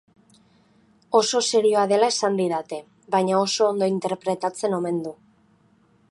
Oso serioa dela esan didate, baina oso ondo interpretatzen omen du.